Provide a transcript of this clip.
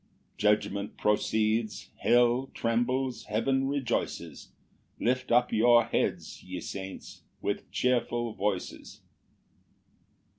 Judgment proceeds; hell trembles; heaven rejoices: Lift up your heads, ye saints, with cheerful voices.